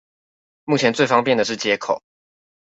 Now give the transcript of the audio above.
目前最方便的是街口